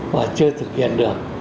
và chưa thực hiện được